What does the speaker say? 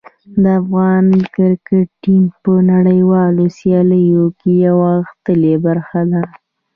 د افغان کرکټ ټیم په نړیوالو سیالیو کې یوه غښتلې برخه ده.